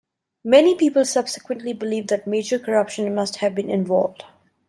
Many people subsequently believed that major corruption must have been involved.